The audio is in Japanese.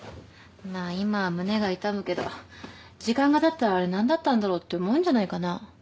まあ今は胸が痛むけど時間がたったらあれ何だったんだろうって思うんじゃないかな。